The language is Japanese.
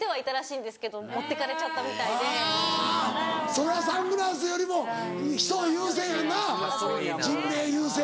それはサングラスよりも人を優先やな人命優先。